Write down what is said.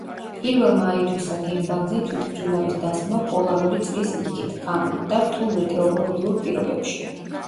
პირველმა აითვისა გემბანზე თვითმფრინავის დასმა პოლარული წრის იქით, ღამით და რთულ მეტეოროლოგიურ პირობებში.